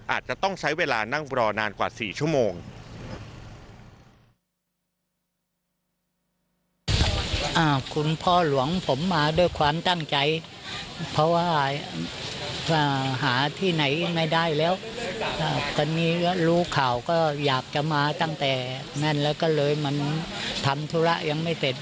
อาจจะต้องใช้เวลานั่งรอนานกว่า๔ชั่วโมง